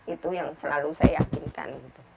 itu yang selalu saya yakinkan